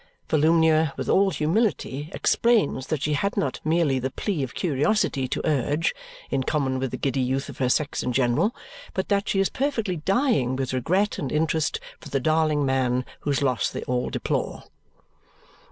Volumnia with all humility explains that she had not merely the plea of curiosity to urge (in common with the giddy youth of her sex in general) but that she is perfectly dying with regret and interest for the darling man whose loss they all deplore.